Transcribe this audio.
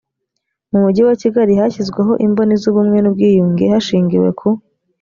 mu mujyi wa kigali hashyizweho imboni z’ubumwe n’ubwiyunge hashingiwe ku